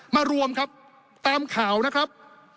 มารวมครับตามข่าวนะครับ